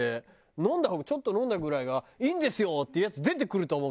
「飲んだ方がちょっと飲んだぐらいがいいんですよ」って言うヤツ出てくると思うけど。